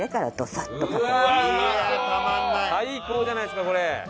最高じゃないですかこれ。